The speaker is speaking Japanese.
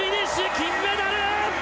金メダル！